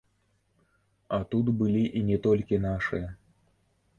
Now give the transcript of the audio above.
А тут былі і не толькі нашыя!